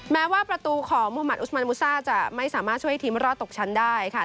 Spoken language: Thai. แม้ว่าประตูของมุมัติอุสมันมูซ่าจะไม่สามารถช่วยทีมรอดตกชั้นได้ค่ะ